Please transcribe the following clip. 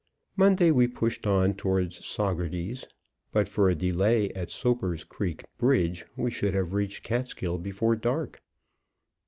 Monday we pushed on toward Saugerties. But for a delay at Soaper's Creek Bridge, we should have reached Catskill before dark.